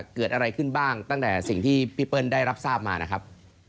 เกิดอะไรขึ้นบ้างตั้งแต่สิ่งที่พี่เปิ้ลได้รับทราบมานะครับ